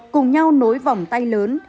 cùng nhau nối vòng tay lớn